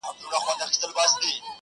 ها د ښكلا شاپېرۍ هغه د سكون سهزادگۍ.